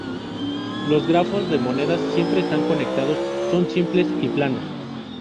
Los grafos de monedas siempre están conectados, son simples, y planos.